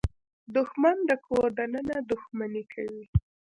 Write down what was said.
دښمن د کور دننه دښمني کوي